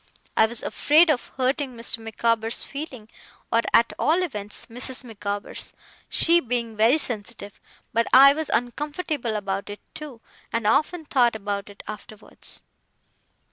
I was afraid of hurting Mr. Micawber's feelings, or, at all events, Mrs. Micawber's, she being very sensitive; but I was uncomfortable about it, too, and often thought about it afterwards.